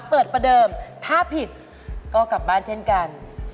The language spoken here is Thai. ประเดิมถ้าผิดก็กลับบ้านเช่นกัน